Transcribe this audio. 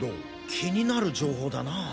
気になる情報だなあ。